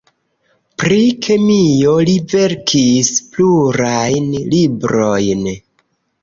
Pri kemio li verkis plurajn librojn.